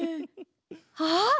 あっ！